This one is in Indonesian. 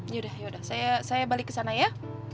yaudah yaudah saya balik ke sana ya